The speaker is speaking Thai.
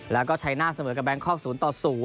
แล้วก็ชัยนาธิ์เสมอกับแบงคอร์ก๐ต่อ๐